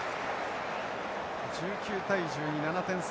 １９対１２７点差。